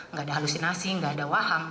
nggak ada halusinasi nggak ada waham